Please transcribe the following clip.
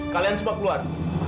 kalian semua keluar